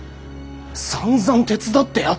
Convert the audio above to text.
さんざん手伝ってやったろ！